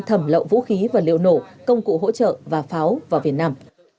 thẩm lậu vũ khí vật liệu nổ công cụ hỗ trợ và pháo vào việt nam